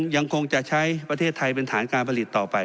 ยังคงจะใช้ประเทศไทยเป็นฐานการผลิตต่อไป